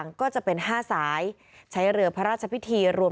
ในเวลาเดิมคือ๑๕นาทีครับ